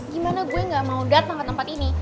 gimana gue gak mau datang ke tempat ini